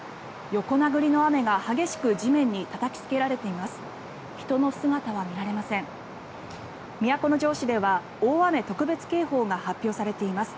横殴りの雨が激しく地面にたたきつけられています。